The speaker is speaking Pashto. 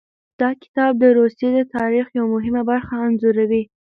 دا کتاب د روسیې د تاریخ یوه مهمه برخه انځوروي.